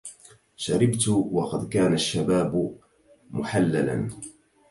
شربت وقد كان الشباب محللا